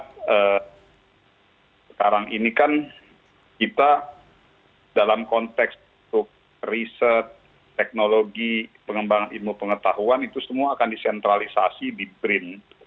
karena sekarang ini kan kita dalam konteks untuk riset teknologi pengembangan ilmu pengetahuan itu semua akan disentralisasi di brin